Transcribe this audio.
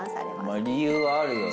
まあ理由はあるよね。